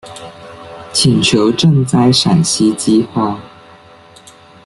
请求赈灾陕西饥荒。